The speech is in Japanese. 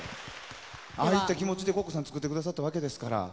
ああいった気持ちでＣｏｃｃｏさんは作ってくださったわけですから。